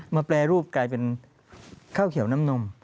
แปรรูปกลายเป็นข้าวเขียวน้ำนม